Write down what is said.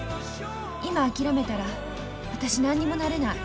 今諦めたら私何にもなれない。